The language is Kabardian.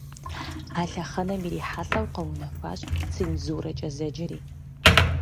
А лъэхъэнэм ирихьэлӏэу къэунэхуащ цензурэкӏэ зэджэри.